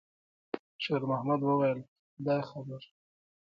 شېرمحمد وویل: «خدای خبر.»